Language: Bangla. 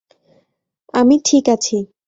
আমি ঠিক আছি!